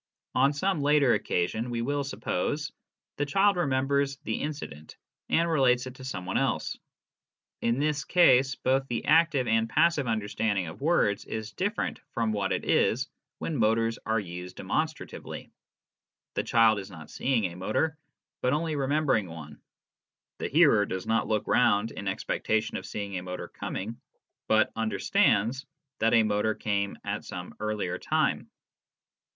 On some later occasion, we will suppose, the child remembers the incident and relates it to some one else. In this case, both the active and passive under standing of words is different from what it is when words are used demonstratively. The child is not seeing a motor, but only remembering one ; the hearer does not look round in expectation of seeing a motor coming, but " understands " that a motor came at some earlier time.